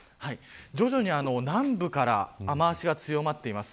徐々に南部から雨脚が強まっています。